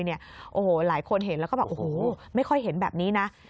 โอ้โหหลายคนเห็นแล้วก็แบบโอ้โหไม่ค่อยเห็นแบบนี้นะ